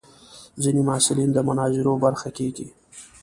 ځینې محصلین د مناظرو برخه کېږي.